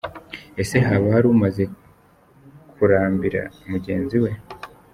Ese haba hari umaze kurambira mugenzi we?